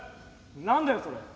何だよそれ」。